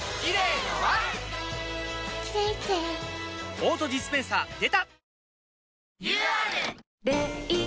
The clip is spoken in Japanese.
オートディスペンサーでた！